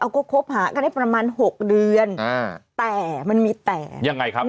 ก็คบหากันได้ประมาณ๖เดือนแต่มันมีแต่ยังไงครับ